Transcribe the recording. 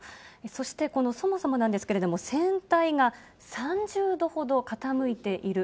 そしてこの、そもそもなんですけれども、船体が３０度ほど傾いている。